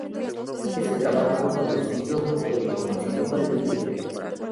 Este trabajo fue producido por el conocido Terry Date.